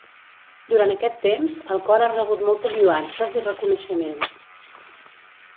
Durant aquest temps, el cor ha rebut moltes lloances i reconeixements.